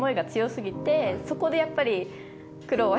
そこでやっぱり。